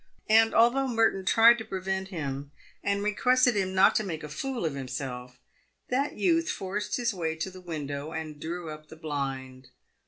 And, although Merton tried to prevent him, and requested him not to make a fool of himself, that youth forced his way to the window and drew up the blind.